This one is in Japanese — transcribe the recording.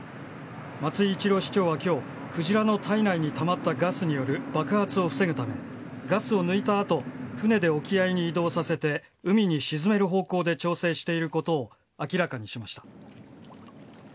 松井一郎市長はきょう、クジラの体内にたまったガスによる爆発を防ぐため、ガスを抜いたあと、船で沖合に移動させて、海に沈める方向で調整していることを明らかにしました。